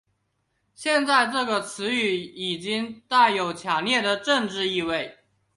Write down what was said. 现在这个词语已经带有强烈的政治意味。